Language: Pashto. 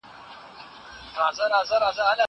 زه به سبا مړۍ وخورم!